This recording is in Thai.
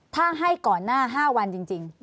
ถ้าให้ก่อนหน้า๕วันจริง